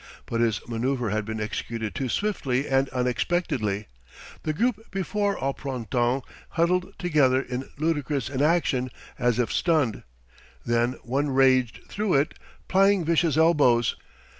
But his manoeuvre had been executed too swiftly and unexpectedly. The group before Au Printemps huddled together in ludicrous inaction, as if stunned. Then one raged through it, plying vicious elbows.